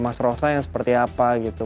mas rosa yang seperti apa gitu